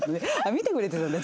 見てくれてたんだ。